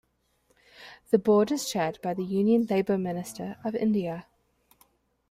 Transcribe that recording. The board is chaired by the Union Labour Minister of India.